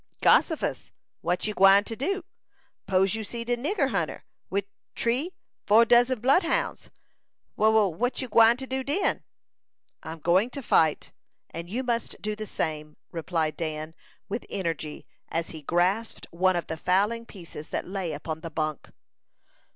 "Gossifus! What you gwine to do? 'Pose you see de nigger hunter, wid tree, four dozen bloodhounds: wha wha what you gwine to do den?" "I'm going to fight! And you must do the same!" replied Dan, with energy, as he grasped one of the fowling pieces that lay upon the bunk.